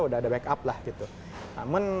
udah ada backup lah gitu namun